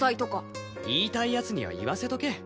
言いたい奴には言わせとけ。